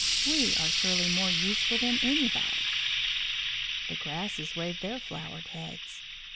We are surely more useful than anybody." The grasses waved their flowered heads.